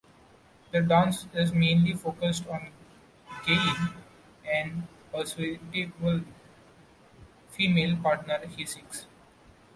The dance is mainly focused on Gaye and a suitable female partner he seeks.